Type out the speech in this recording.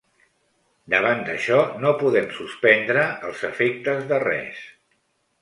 Davant d’això, no podem suspendre els efectes de res.